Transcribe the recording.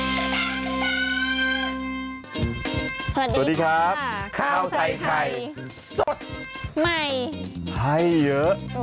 สวัสดีครับข้าวใส่ไข่สดใหม่ให้เยอะ